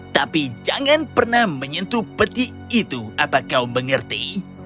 tapi jangan pernah menyentuh peti itu apa kau mengerti